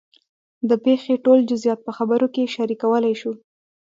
د پېښې ټول جزیات په خبرو کې شریکولی شو.